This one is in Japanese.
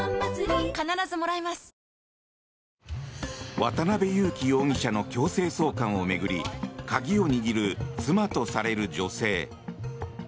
渡邉優樹容疑者の強制送還を巡り鍵を握る妻とされる女性。